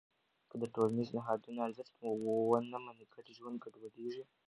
که د ټولنیزو نهادونو ارزښت ونه منې، ګډ ژوند ګډوډېږي.